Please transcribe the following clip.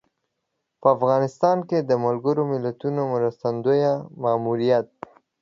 په افغانستان کې د ملګر ملتونو مرستندویه ماموریت